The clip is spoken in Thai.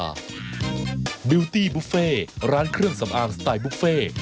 อันนี้ก็เป็นเครื่องสำอางสไตล์บุฟเฟต์